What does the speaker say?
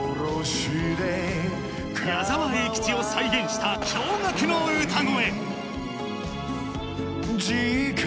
矢沢永吉を再現した驚がくの歌声。